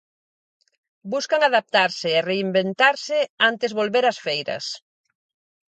Buscan adaptarse e reinventarse antes volver ás feiras.